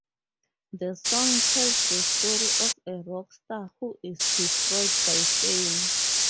The song tells the story of a rock star who is destroyed by fame.